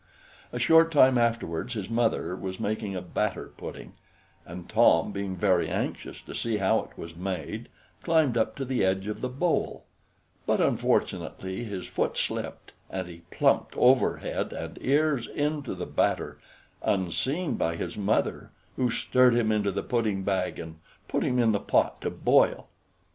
A short time afterwards his mother was making a batter pudding, and Tom being very anxious to see how it was made, climbed up to the edge of the bowl; but unfortunately his foot slipped and he plumped over head and ears into the batter, unseen by his mother, who stirred him into the pudding bag, and put him in the pot to boil.